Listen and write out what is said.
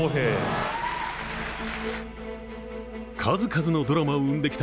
数々のドラマを生んできた